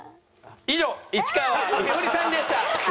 以上市川美織さんでした。